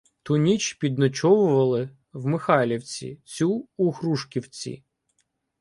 Ту ніч підночовували в Михайлівці, цю — у Грушківці.